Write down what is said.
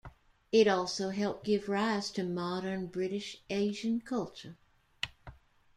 It also helped give rise to modern British Asian culture.